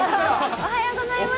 おはようございます。